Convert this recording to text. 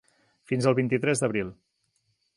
Fins al vint-i-tres d’abril.